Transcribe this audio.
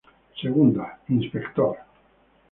Segunda: Inspector.